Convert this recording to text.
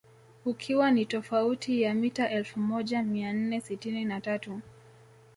Ukiwa ni tofauti ya mita elfu moja mia nne sitini na tatu